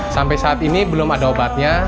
sampai saat ini belum ada obatnya